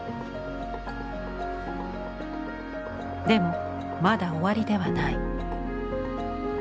でもまだ終わりではない。